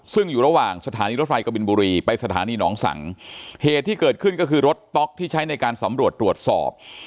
ซึ่งอยู่ระหว่างสถานีรถไฟกบินบุรีไปสถานีหนองสังเหตุที่เกิดขึ้นก็คือรถต๊อกที่ใช้ในการสำรวจตรวจสอบ